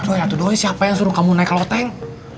doi atu doi siapa yang suruh kamu naik loteng